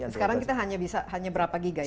sekarang kita hanya berapa giga yang kita tap